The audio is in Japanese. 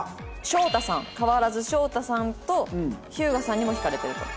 翔太さん変わらず翔太さんと日向さんにも惹かれてると。